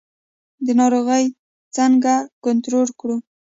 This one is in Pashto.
ناروغي څنګه کنټرول کړو؟